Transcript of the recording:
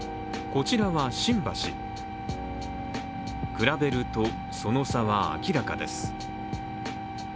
こちらは新橋、比べるとその差は明らかです。